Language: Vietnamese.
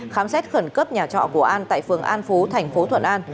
khám xét khẩn cấp nhà trọ của an tại phường an phú thành phố thuận an